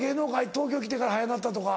東京来てから速なったとか。